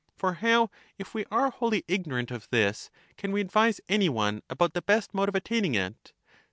For how, if we are wholly ignorant of this, can we advise any one about the best mode of attain ing it?